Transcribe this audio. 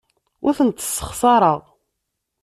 Ur tent-ssexṣareɣ.